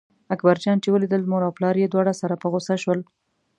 اکبر جان چې ولیدل مور او پلار یې دواړه سره په غوسه شول.